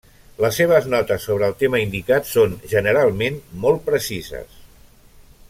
Les seves notes sobre el tema indicat són, generalment, molt precises.